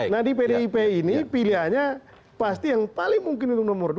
nah di pdip ini pilihannya pasti yang paling mungkin itu nomor dua